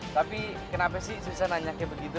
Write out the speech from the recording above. tapi kenapa sih susah nanya kayak begitu